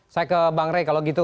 saya ke bang rey kalau gitu